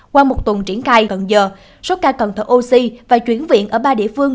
qua một tuần triển khai gần giờ số ca cần thở oxy và chuyển viện ở ba địa phương